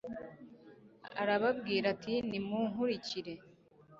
arababwira ati nimunkurikire